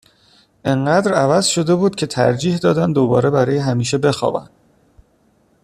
اِنقدر عوض شده بود که ترجیح دادن دوباره برای همیشه بخوابن